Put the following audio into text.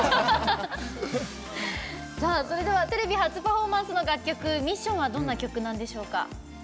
それではテレビ初パフォーマンスの楽曲「ＭＩＳＳＩＯＮ」はどんな曲なんでしょうか？